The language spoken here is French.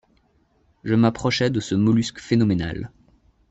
Je m’approchai de ce mollusque phénoménal.